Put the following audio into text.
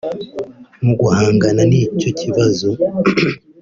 Mu guhangana n’icyo kibazo